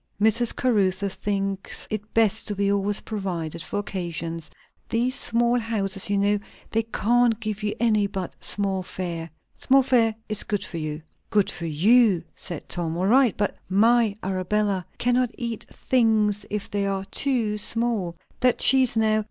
"Mrs. Caruthers thinks it best to be always provided for occasions. These small houses, you know, they can't give you any but small fare." "Small fare is good for you!" "Good for you," said Tom, "all right; but my Arabella cannot eat things if they are too small. That cheese, now!